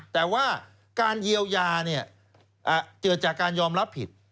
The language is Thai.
แต่ว่าการเยียวยาเกิดจากการยอมรับผิด